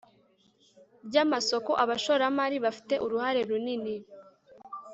ry amasoko Abashoramari bafite uruhare runini